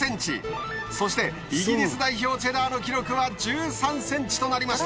そしてイギリス代表チェダーの記録は１３ｃｍとなりました。